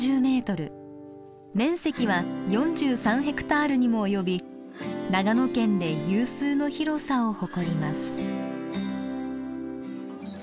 面積は４３ヘクタールにも及び長野県で有数の広さを誇ります。